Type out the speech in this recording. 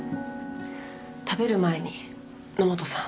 食べる前に野本さん。